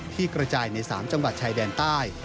ที่กระจายใน๓จังหวัดชายแดนใต้